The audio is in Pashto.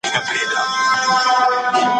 دا د انسان د لاس کار دی.